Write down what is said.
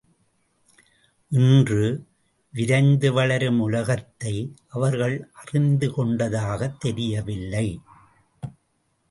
இன்று விரைந்து வளரும் உலகத்தை அவர்கள் அறிந்து கொண்டதாகத் தெரியவில்லை.